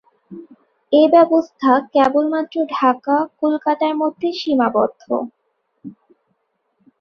এ ব্যবস্থা কেবলমাত্র ঢাকা-কলকাতার মধ্যে সীমিত।